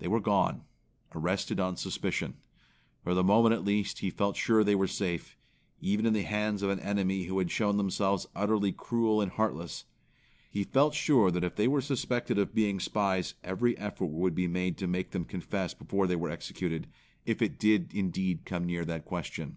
They were gone; arrested on suspicion. For the moment at least he felt sure they were safe, even in the hands of an enemy who had shown themselves utterly cruel and heartless. He felt sure that if they were suspected of being spies every effort would be made to make them confess before they were executed, if it did indeed come near that question.